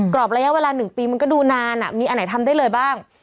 รอบระยะเวลา๑ปีมันก็ดูนานมีอันไหนทำได้เลยบ้าง